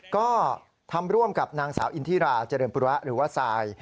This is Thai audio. ก็ทำร่วมกับนางสาวอินทิราเจริญปุระหรือว่าทราย